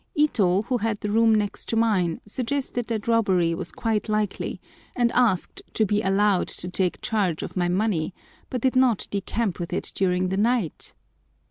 Ito, who had the room next to mine, suggested that robbery was quite likely, and asked to be allowed to take charge of my money, but did not decamp with it during the night!